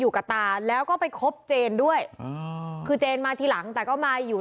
ตาแล้วก็ไปคบเจนด้วยอ่าคือเจนมาทีหลังแต่ก็มาอยู่